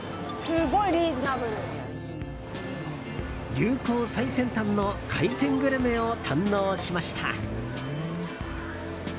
流行最先端の回転グルメを堪能しました。